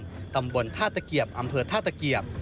กลือกันยางตำบลท่าตะเกียบอำเภอท่าตะเกียบ